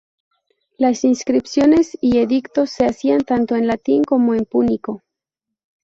Las inscripciones y edictos se hacían tanto en latín como en púnico.